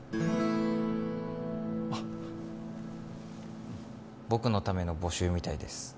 あっ僕のための募集みたいです